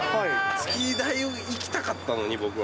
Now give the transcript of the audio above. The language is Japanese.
スキー台に行きたかったのに、僕は。